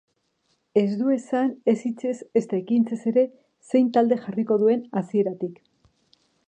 Ez du esan ez hitzez ezta ekintzez ere zein talde jarriko duen hasieratik.